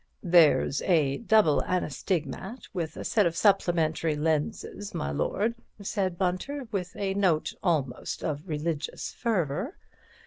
"There's a Double Anastigmat with a set of supplementary lenses, my lord," said Bunter, with a note almost of religious fervour.